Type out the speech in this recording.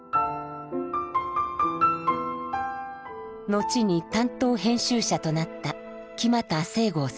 後に担当編集者となった木俣正剛さん。